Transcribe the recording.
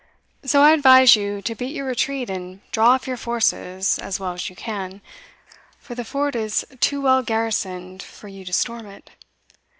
So I advise you to beat your retreat and draw off your forces as well as you can, for the fort is too well garrisoned for you to storm it."